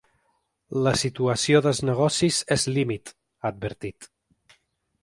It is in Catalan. “La situació dels negocis és límit”, ha advertit.